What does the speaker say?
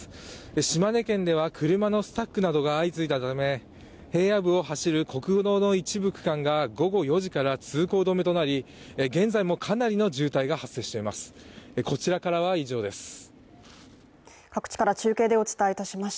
島根県では車のスタックなどが相次いだため平野部を走る国道の一部区間が午後４時から通行止めとなり、現在もかなりの渋滞が発生しています。